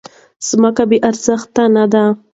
ځمکه بې ارزښته نه ده.